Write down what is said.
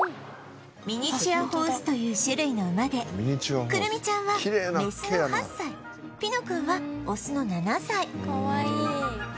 ミニチュアホースという種類の馬でクルミちゃんはメスの８歳ピノ君はオスの７歳「かわいい」